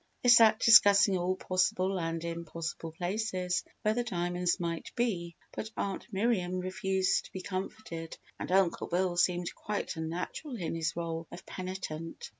They sat discussing all possible and impossible places where the diamonds might be, but Aunt Miriam refused to be comforted and Uncle Bill seemed quite unnatural in his rôle of penitent.